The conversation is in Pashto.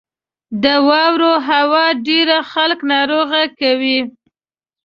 • د واورې هوا ډېری خلک ناروغ کوي.